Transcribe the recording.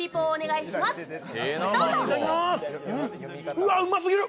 うわっ、うますぎる。